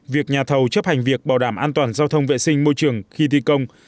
việc nhà thầu chấp hành việc bảo đảm an toàn giao thông vệ sinh môi trường khi thi công